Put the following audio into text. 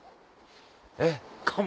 えっ。